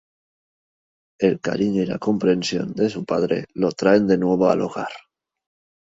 El cariño y la comprensión de su padre lo traen de nuevo al hogar.